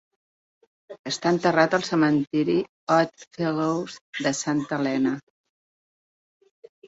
Està enterrat al cementiri Odd Fellows de Santa Helena.